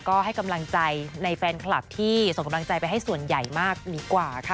ก็ให้กำลังใจในแฟนคลับที่ส่งกำลังใจไปให้ส่วนใหญ่มากดีกว่าค่ะ